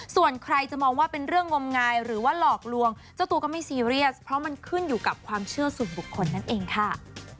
ส่วนใครจะมองว่าเป็นเรื่องงมงายหรือว่าหลอกลวงเจ้าตัวก็ไม่ซีเรียสเพราะมันขึ้นอยู่กับความเชื่อส่วนบุคคลนั่นเองค่ะ